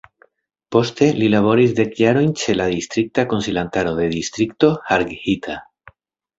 Poste li laboris dek jarojn ĉe la distrikta konsilantaro de Distrikto Harghita.